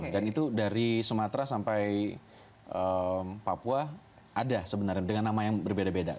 dan itu dari sumatera sampai papua ada sebenarnya dengan nama yang berbeda beda